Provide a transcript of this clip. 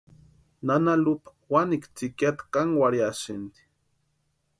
Nana Lupa wanikwa tsïkiata kankwarhiasïnti.